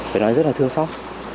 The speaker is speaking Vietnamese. phải nói rất là thương xót